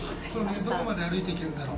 どこまで歩いていけるんだろう。